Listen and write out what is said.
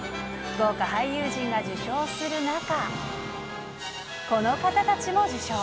豪華俳優陣が受賞する中、この方たちも受賞。